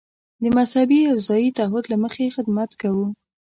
د مذهبي او ځايي تعهد له مخې خدمت کوو.